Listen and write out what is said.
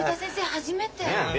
初めて。